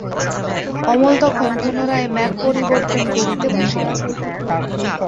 অমল তখন পুনরায় ম্যাপ পরিবর্তন করিতে বসিল।